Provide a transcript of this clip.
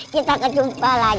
kita kejumpa lagi